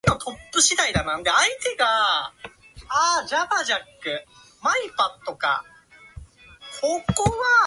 axakjnsjkankjnakjnjksankjanjknsjkankjanjksnkjsanjksankjasnkjsankjaskjsanksjn